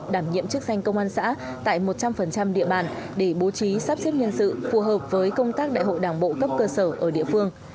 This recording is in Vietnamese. đảm nhiệm chức danh công an xã tại một trăm linh địa bàn để bố trí sắp xếp nhân sự phù hợp với công tác đại hội đảng bộ cấp cơ sở ở địa phương